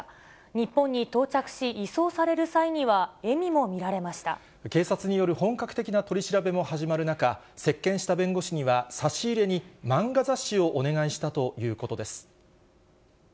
日本に到着し、移送される際には、警察による本格的な取り調べも始まる中、接見した弁護士には、差し入れに漫画雑誌をお願いしたということです。